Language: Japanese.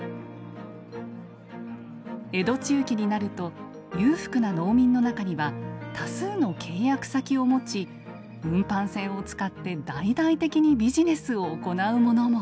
江戸中期になると裕福な農民の中には多数の契約先を持ち運搬船を使って大々的にビジネスを行う者も。